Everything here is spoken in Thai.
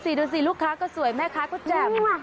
แม่ดูสิลูกค้าก็สวยแม่ค้าก็แจบ